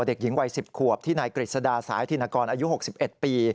เด็กหญิงวัย๑๐ขวบที่นายกฤษดาสายธินกรอายุ๖๑ปี